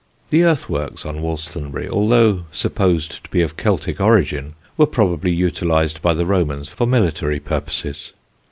The earthworks on Wolstonbury, although supposed to be of Celtic origin, were probably utilised by the Romans for military purposes.